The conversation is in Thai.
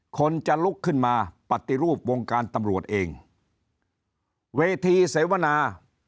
คนจะลุกขึ้นมาปฏิรูปวงการตำรวจเองเวทีเสวนา